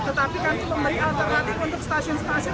tetapi kami memberi alternatif untuk stasiun stasiun